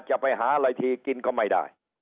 จะไปหาอะไรทีกินก็ไม่ได้